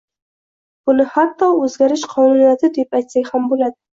Buni hatto “o‘zgarish qonuniyati” deb atasak ham bo‘ladi.